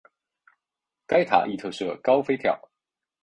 该塔亦特设高飞跳。